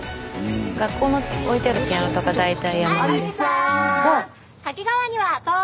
学校の置いてあるピアノとか大体ヤマハです。